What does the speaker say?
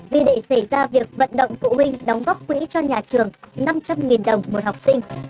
đi đệ xảy ra việc vận động phụ huynh đóng góp quỹ cho nhà trường năm trăm linh đồng một học sinh